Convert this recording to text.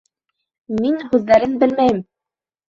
Мин һүҙҙәрен белмәйем!